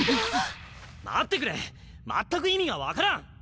待ってくれ全く意味が分からん！